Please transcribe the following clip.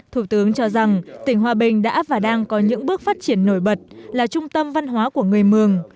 thủ tướng cho rằng tỉnh hòa bình đã và đang có những bước phát triển nổi bật là trung tâm văn hóa của người mường